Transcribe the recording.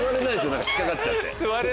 何か引っかかっちゃって。